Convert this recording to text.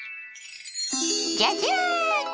じゃじゃん！